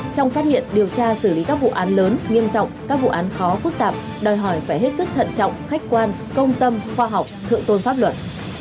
trong phát hiện điều tra xử lý các vụ án lớn nghiêm trọng các vụ án khó phức tạp đòi hỏi phải hết sức thận trọng khách quan công tâm khoa học thượng tôn pháp luật